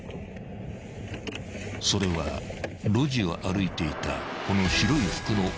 ［それは路地を歩いていたこの］